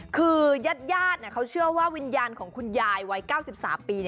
คือญาติเขาเชื่อว่าวิญญาณของคุณยายวัย๙๓ปี